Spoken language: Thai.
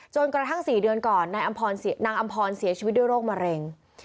จนกระทั่ง๔เดือนก่อนนางอำพรเสียชีวิตด้วยโรคมะเร็ง